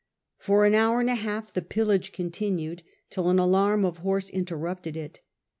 For an hour and a half the pillage continued, till an alarm of horse interrupted it.